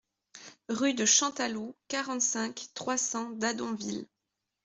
Rue de Chantaloup, quarante-cinq, trois cents Dadonville